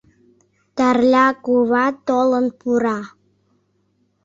Тарля кува толын пура.